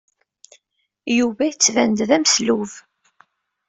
Yuba yettban-d d ameslub.